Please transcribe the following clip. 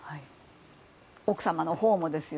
奥様のほうも。